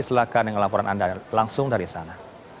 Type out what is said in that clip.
silahkan dengan laporan anda langsung dari sana